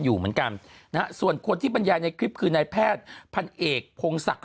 อยู่เหมือนกันนะฮะส่วนคนที่บรรยายในคลิปคือนายแพทย์พันเอกพงศักดิ